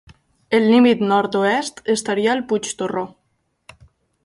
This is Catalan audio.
El límit nord-oest estaria al Puig Torró.